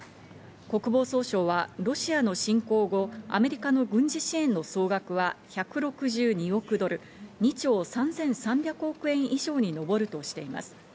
国防総省はロシアの侵攻後、アメリカの軍事支援の総額は１６２億ドル＝２兆３３００億円以上に上るとしています。